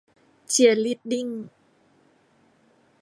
เชียร์ลีดดิ้ง